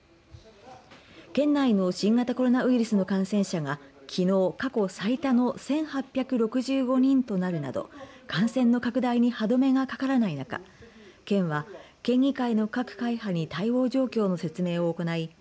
県内の新型コロナウイルスの感染者がきのう過去最多の１８６５人となるなど感染の拡大に歯止めがかからない中県は、県議会の各会派に対応状況の説明を行い